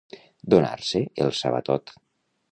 Donar-se el sabatot.